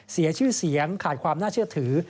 เสียชื่อเสียงขาดความน่าเชื่อถือ